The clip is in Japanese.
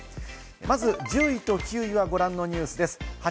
まず１０位と９位はご覧のニュースです。